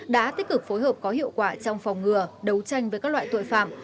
đã tích cực phối hợp có hiệu quả trong phòng ngừa đấu tranh với các loại tội phạm